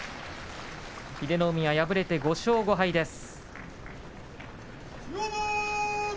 英乃海は敗れて５勝５敗です。